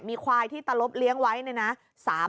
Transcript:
มีควายที่ตะลบเลี้ยงไว้เนี่ยนะ